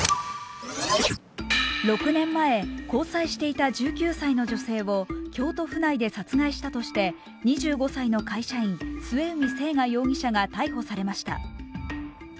６年前、交際していた１９歳の女性を京都府内で殺害したとして２５歳の会社員、末海征河容疑者が逮捕されました。